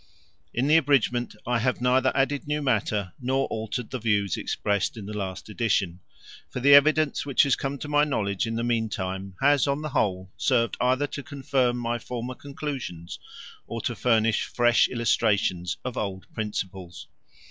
In the abridgment I have neither added new matter nor altered the views expressed in the last edition; for the evidence which has come to my knowledge in the meantime has on the whole served either to confirm my former conclusions or to furnish fresh illustrations of old principles.